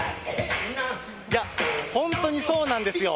本当にそうなんですよ。